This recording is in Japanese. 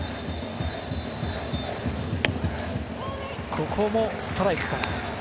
ここもストライクから。